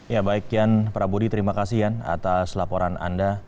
ya baik ya prabu di terima kasih ya atas laporan anda